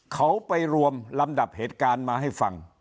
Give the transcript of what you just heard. เขาไปรวมลำดับเหตุการณ์มาให้ฟัง